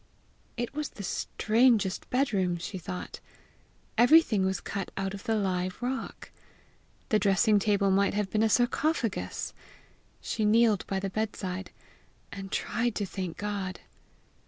It was the strangest bedroom! she thought. Everything was cut out of the live rock. The dressing table might have been a sarcophagus! She kneeled by the bedside, and tried to thank God.